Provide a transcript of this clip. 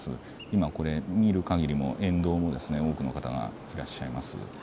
今これを見るかぎりも沿道、多くの方がいらっしゃいます。